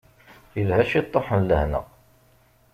Yelha ciṭuḥ n lḥenna.